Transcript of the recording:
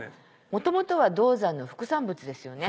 元々は銅山の副産物ですよね。